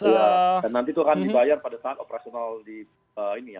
iya dan nanti itu akan dibayar pada saat operasional di ini ya